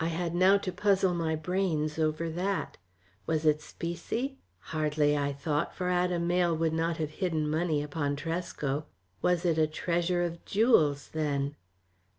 I had now to puzzle my brains over that. Was it specie? Hardly, I thought, for Adam Mayle would not have hidden money upon Tresco. Was it a treasure of jewels, then?